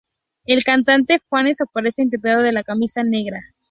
El cantante "Juanes" aparece interpretando "La Camisa Negra".